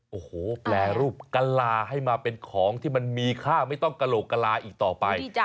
โอ้โหแปรรูปกะลาให้มาเป็นของที่มันมีค่าไม่ต้องกระโหลกกะลาอีกต่อไป